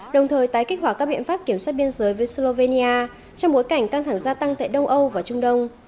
đồng thời tái kích hoạt các biện pháp kiểm soát biên giới với slovenia trong bối cảnh căng thẳng gia tăng tại đông âu và trung đông